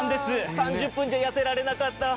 ３０分じゃ痩せられなかった。